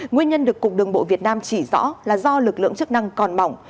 nguyên nhân được cục đường bộ việt nam chỉ rõ là do lực lượng chức năng còn bỏng